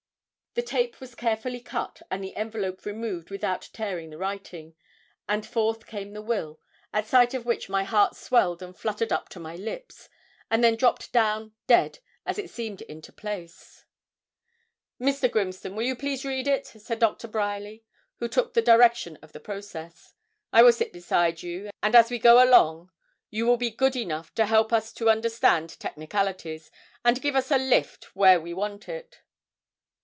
The tape was carefully cut, and the envelope removed without tearing the writing, and forth came the will, at sight of which my heart swelled and fluttered up to my lips, and then dropped down dead as it seemed into its place. 'Mr. Grimston, you will please to read it,' said Doctor Bryerly, who took the direction of the process. 'I will sit beside you, and as we go along you will be good enough to help us to understand technicalities, and give us a lift where we want it.'